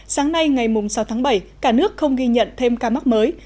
sáng nay ngày sáu tháng bảy cả nước không ghi nhận thêm ca mắc mới